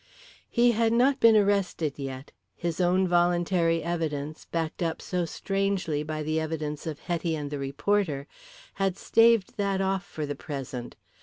He had not been arrested yet; his own voluntary evidence, backed up so strangely by the evidence of Hetty and the reporter, had staved that off for the present.